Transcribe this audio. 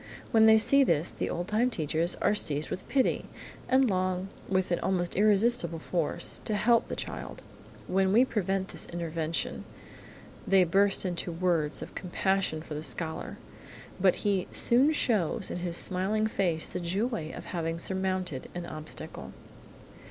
When they see this, the old time teachers are seized with pity, and long, with an almost irresistible force, to help the child. When we prevent this intervention, they burst into words of compassion for the little scholar, but he soon shows in his smiling face the joy of having surmounted an obstacle.